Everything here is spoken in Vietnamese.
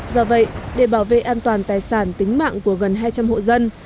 do vậy để bảo vệ an toàn tài sản tính mạng của gần hai trăm linh hộ dân